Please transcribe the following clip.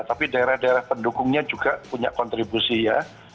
tapi daerah daerah pendukungnya juga punya kontribusi ya